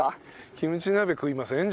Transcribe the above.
キムチ鍋食いません？